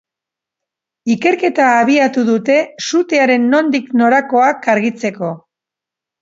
Ikerketa abiatu dute sutearen nondik norakoak argitzeko.